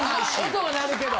音は鳴るけど。